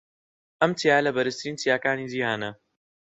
ئەم چیایە لە بەرزترین چیاکانی جیھانە.